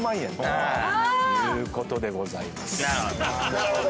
なるほど。